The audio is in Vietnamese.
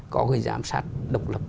có người giám sát độc lập